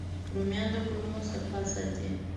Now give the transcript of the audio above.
رومیان د کولمو صفا ساتي